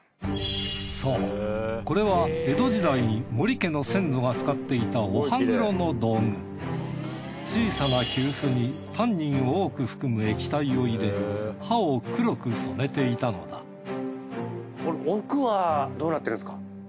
そうこれは江戸時代に森家の先祖が使っていた小さな急須にタンニンを多く含む液体を入れ歯を黒く染めていたのだ奥はどうなってるんですか？